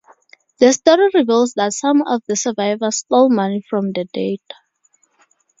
The story reveals that some of the survivors stole money from the dead.